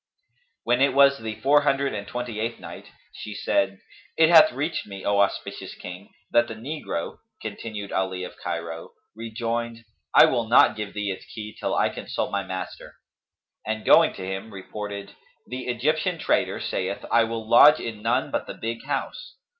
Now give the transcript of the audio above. When it was the Four Hundred and Twenty eighth Night, She said, It hath reached me, O auspicious King, that the negro (continued Ali of Cairo) "rejoined, 'I will not give thee its key till I consult my master,'" and going to him, reported, "'The Egyptian trader saith, 'I will lodge in none but the big house.'"